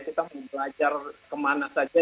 kita belajar kemana saja